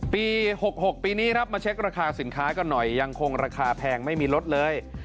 ปี๖๖ปีนี้ครับมาเช็คราคาสินค้ากันหน่อยยังคงราคาแพงไม่มีลดเลย